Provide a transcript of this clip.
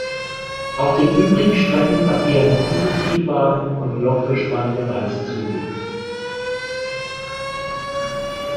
Auf den übrigen Strecken verkehren Dieseltriebwagen und lokbespannte Reisezüge.